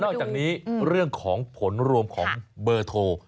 อกจากนี้เรื่องของผลรวมของเบอร์โทร